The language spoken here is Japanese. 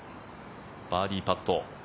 バーディーパット。